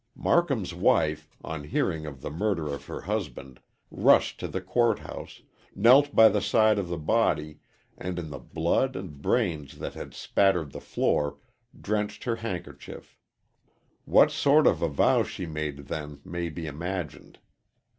Marcum's wife, on hearing of the murder of her husband, rushed to the court house, knelt by the side of the body and in the blood and brains that had spattered the floor, drenched her handkerchief. What sort of a vow she made then may be imagined.